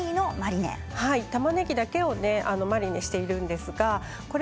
たまねぎだけをマリネしています。